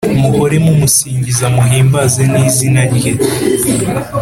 Muhore mumusingiza, Muhimbaze n’ izina rye